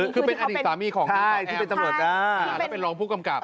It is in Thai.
คือเป็นอดีตสามีของนังสาวแอมเป็นรองผู้กำกับ